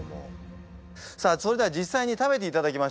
さあそれでは実際に食べていただきましょう。